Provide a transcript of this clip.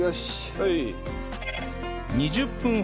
はい。